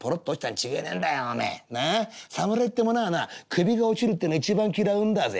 侍ってものはな首が落ちるっての一番嫌うんだぜ。